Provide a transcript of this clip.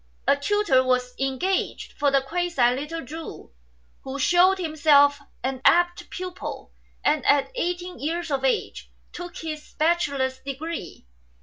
A tutor was engaged for (the quasi) little Chu, who shewed himself an apt pupil, and at eighteen years of age took his bachelor's degree.